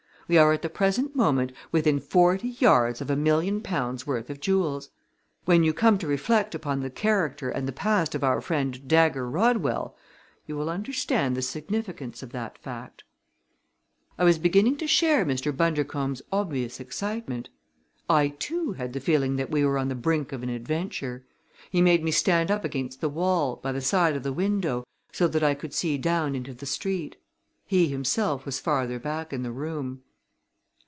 We are at the present moment within forty yards of a million pounds' worth of jewels. When you come to reflect upon the character and the past of our friend Dagger Rodwell, you will understand the significance of that fact." I was beginning to share Mr. Bundercombe's obvious excitement. I, too, had the feeling that we were on the brink of an adventure. He made me stand up against the wall, by the side of the window, so that I could see down into the street. He himself was farther back in the room.